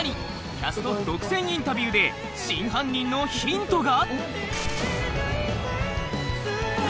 キャスト独占インタビューで真犯人のヒントが？